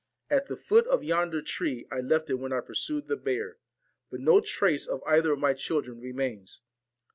At the foot of yonder tree I left it when I pursued the bear; but no trace of either of my children remains.